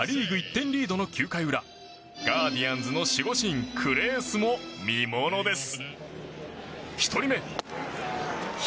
１点リードの９回裏ガーディアンズの守護神クレースも見ものです。